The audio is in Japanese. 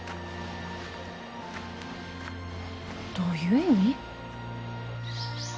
どういう意味？